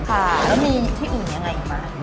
ค่ะแล้วมีที่อื่นยังไงอีกมั้ย